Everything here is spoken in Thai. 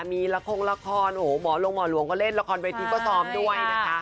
มีละครละครโอ้โหหมอลงหมอหลวงก็เล่นละครเวทีก็ซ้อมด้วยนะคะ